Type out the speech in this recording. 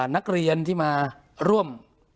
นักเรียนที่มาร่วม